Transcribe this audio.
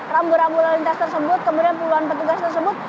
rambu rambu lalu lintas tersebut kemudian puluhan petugas tersebut